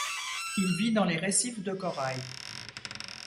Il vit dans les récifs de corail.